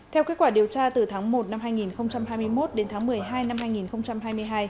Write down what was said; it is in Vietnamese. theo kết quả điều tra từ tháng một năm hai nghìn hai mươi một đến tháng một mươi hai năm hai nghìn hai mươi hai